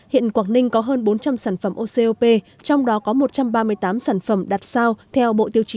hiện quảng ninh có hơn bốn trăm linh sản phẩm ocop trong đó có một trăm ba mươi tám sản phẩm đặt sao theo bộ tiêu chí